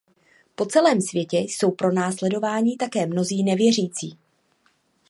Po celém světě jsou pronásledováni také mnozí nevěřící.